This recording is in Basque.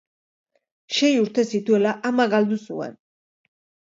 Sei urte zituela ama galdu zuen.